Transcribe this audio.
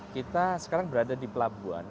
kita sekarang berada di pelabuhan